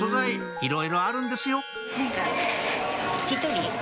いろいろあるんですよ